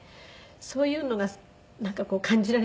そういうのがなんか感じられて。